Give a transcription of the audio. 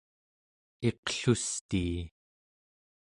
iqlustii